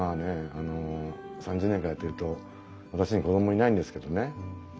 あの３０年間やってると私に子供いないんですけどね